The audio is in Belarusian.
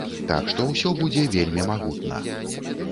Так што, усё будзе вельмі магутна.